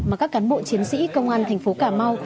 mà các cán bộ chiến sĩ công an thành phố cà mau